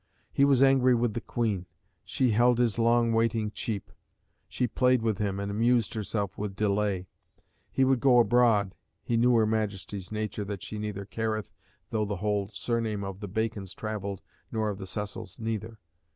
He was angry with the Queen; she held his long waiting cheap; she played with him and amused herself with delay; he would go abroad, and he "knew her Majesty's nature, that she neither careth though the whole surname of the Bacons travelled, nor of the Cecils neither."